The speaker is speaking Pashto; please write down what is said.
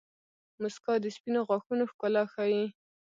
• مسکا د سپینو غاښونو ښکلا ښيي.